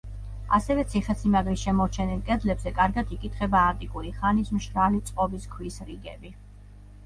ასევე ციხესიმაგრის შემორჩენილ კედლებზე კარგად იკითხება ანტიკური ხანის მშრალი წყობის ქვის რიგები.